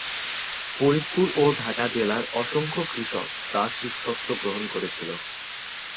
ফরিদপুর ও ঢাকা জেলার অসংখ্য কৃষক তার শিষ্যত্ব গ্রহণ করেছিল।